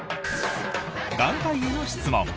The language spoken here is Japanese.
眼科医への質問。